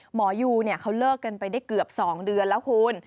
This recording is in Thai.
หมอยูเขาเลิกกันไปได้เกือบ๒เดือนแล้วคุณ